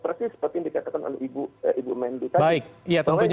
persis seperti yang dikatakan ibu mendutani